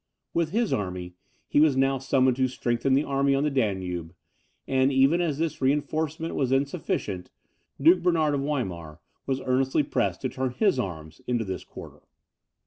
With his army, he was now summoned to strengthen the army on the Danube; and as even this reinforcement was insufficient, Duke Bernard of Weimar was earnestly pressed to turn his arms into this quarter.